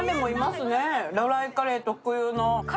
ドライカレー特有の。